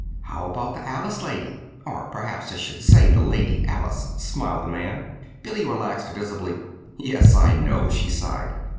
"How about the Alice lady or perhaps I should say, the Lady Alice?" smiled the man. Billy relaxed visibly. "Yes, I know," she sighed.